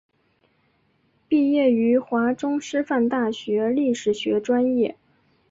毕业于华中师范大学历史学专业。